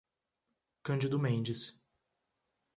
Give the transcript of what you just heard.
Cândido Mendes